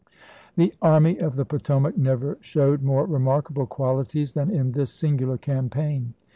The Army of the Potomac never showed more remarkable qualities than in this singular campaign.